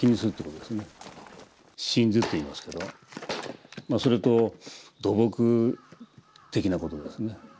薪頭と言いますけどそれと土木的なことですね。